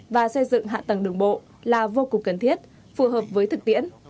và xây dựng hạ tầng đường bộ là vô cùng cần thiết phù hợp với thực tiễn